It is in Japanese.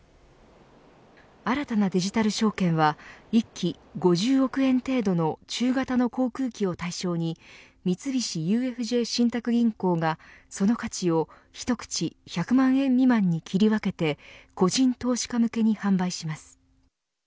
新たなデジタル証券は１機５０億円程度の中型の航空機を対象に三菱ＵＦＪ信託銀行がその価値を一口１００万円未満に切り分けて個人投資家向けに販売します。